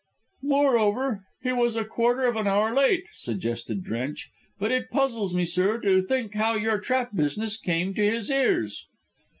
"Moreover, he was a quarter of an hour late," suggested Drench, "but it puzzles me, sir, to think how your trap business came to his ears."